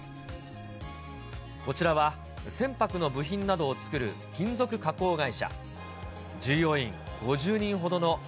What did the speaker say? こちらは船舶の部品などを作る金属加工会社。